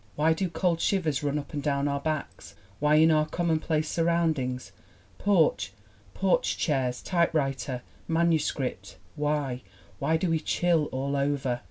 Why do cold shivers run up and down our backs? Why in our commonplace sur roundings porch, porch chairs, typewriter, manu script why, why do we chill all over?